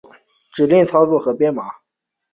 指令操作和编码